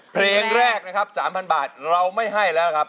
เพลงแรกนะครับ๓๐๐บาทเราไม่ให้แล้วครับ